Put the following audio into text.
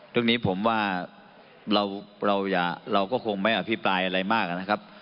ตรงนี้ผมว่าเราก็คงไม่อภิปรายอะไรมากนะครับ